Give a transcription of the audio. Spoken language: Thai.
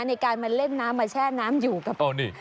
ในการมาเล่นน้ำมาแช่น้ำอยู่กับเอานี่